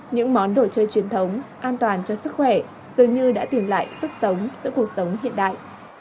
những món đồ chơi truyền thống an toàn cho sức khỏe dường như đã tìm lại sức sống giữa cuộc sống hiện đại